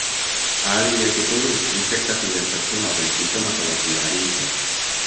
Ahalbidetuko du infektatu den pertsona horren sintomatologia arintzea.